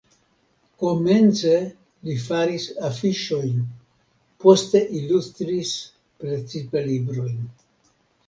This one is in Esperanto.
Komence li faris afiŝojn, poste ilustris precipe librojn.